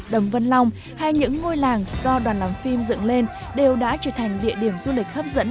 đầm vân long hay những ngôi làng do đoàn làm phim dựng lên đều đã trở thành địa điểm du lịch hấp dẫn